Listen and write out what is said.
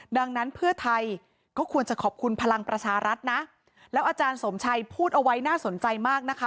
ดังนั้นเพื่อไทยก็ควรจะขอบคุณพลังประชารัฐนะแล้วอาจารย์สมชัยพูดเอาไว้น่าสนใจมากนะคะ